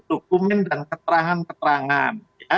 dokumen dan keterangan keterangan